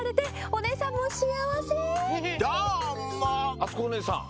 あつこおねえさん。